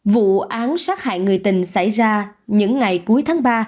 vụ án sát hại người tình xảy ra những ngày cuối tháng ba